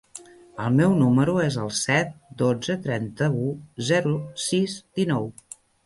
El meu número es el set, dotze, trenta-u, zero, sis, dinou.